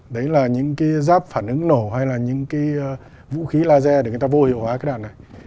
đấy là những cái giáp phản ứng nổ hay là những cái vũ khí laser để người ta vô hiệu hóa cái đạn này